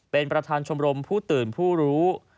เป็นประธานชมรมผู้ตื่นผู้รู้